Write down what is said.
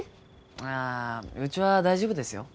ああうちは大丈夫ですよ。